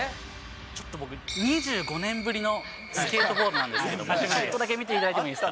ちょっと僕、２５年ぶりのスケートボードなんですけども、ちょっとだけ見ていただいてもいいですか。